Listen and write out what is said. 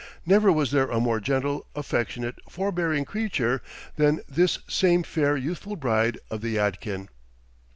Never was there a more gentle, affectionate, forbearing creature than this same fair youthful bride of the Yadkin."